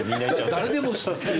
誰でも知ってる。